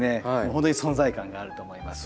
ほんとに存在感があると思います。